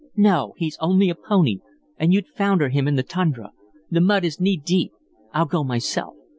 "No! He's only a pony, and you'd founder him in the tundra. The mud is knee deep. I'll go myself."